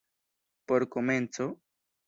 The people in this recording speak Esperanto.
Por komenco?